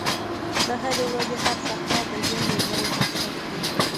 د هرې ورځې هر سهار د ژوند یو نوی فرصت دی.